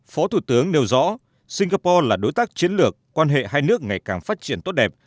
phó thủ tướng nêu rõ singapore là đối tác chiến lược quan hệ hai nước ngày càng phát triển tốt đẹp